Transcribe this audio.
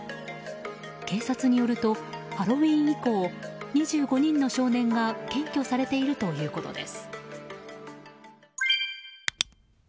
警察によるとハロウィーン以降２５人の少年が検挙されているということです。